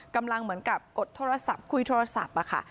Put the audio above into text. กำลังเหมือนกับกดโทรศัพท์คุยโทรศัพท์ค่ะ